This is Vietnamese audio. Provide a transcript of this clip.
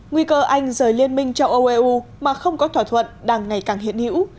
nguy cơ anh rời liên minh châu âu eu mà không có thỏa thuận đang ngày càng hiện hữu